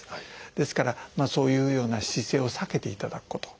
ですからそういうような姿勢を避けていただくこと。